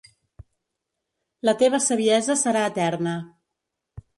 La teva saviesa serà eterna.